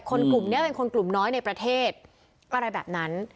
กลุ่มนี้เป็นคนกลุ่มน้อยในประเทศอะไรแบบนั้น